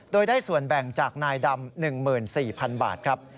โดยได้ส่วนแบ่งจากนายดำ๑๔๐๐๐บาทครับ